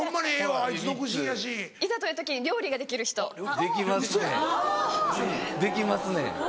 できますねん。